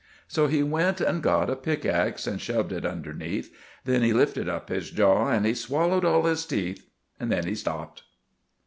So he went and got a pick axe and shov'd it underneath, Then he lifted up his jaw, and he swallowed all his teeth; Then he stopped!